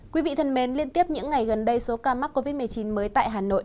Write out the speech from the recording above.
quý vị thân mến liên tiếp những ngày gần đây số ca mắc covid một mươi chín mới tại hà nội